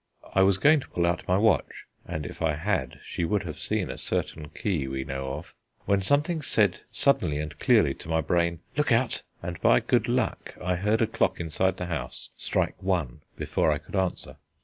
I was going to pull out my watch (and if I had, she would have seen a certain key we know of), when something said suddenly and clearly to my brain, "Look out," and by good luck I heard a clock inside the house strike one before I could answer.